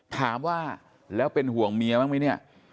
ถามว่าแล้วเป็นห่วงเมียบ้างไหมเนี่ย